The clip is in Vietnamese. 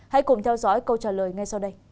hãy cùng theo dõi câu trả lời ngay sau đây